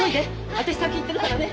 私先行ってるからね。